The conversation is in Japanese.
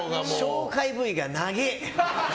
紹介Ｖがなげえ。